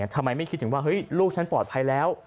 ทำไมไม่คิดถึงว่าลูกฉันปลอดภัยแล้ว